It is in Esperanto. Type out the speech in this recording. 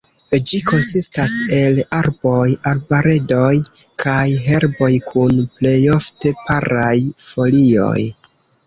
Ĝi konsistas el arboj, arbedoj kaj herboj kun plejofte paraj folioj.